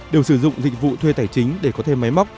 đều sử dụng dịch vụ thuê tài chính để có thêm máy móc